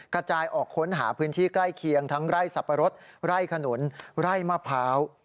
กระจายออกค้นหาพื้นที่ใกล้เคียงทั้งไร่สับปะรดไร่ขนุนไร่มะพร้าว